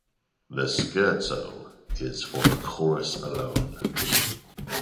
The scherzo is for the chorus alone.